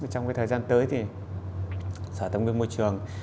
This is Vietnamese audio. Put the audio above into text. trong thời gian tới thì sở thông nguyên môi trường